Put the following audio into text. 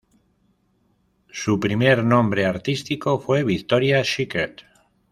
Su primer nombre artístico fue Victoria Secret.